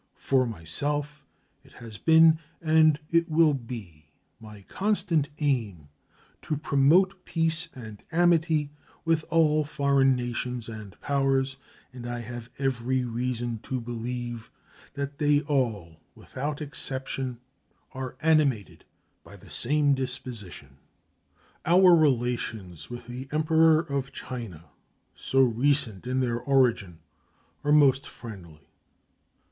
For myself, it has been and it will be my constant aim to promote peace and amity with all foreign nations and powers, and I have every reason to believe that they all, without exception, are animated by the same disposition. Our relations with the Emperor of China, so recent in their origin, are most friendly.